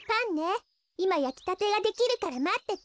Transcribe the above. いまやきたてができるからまってて。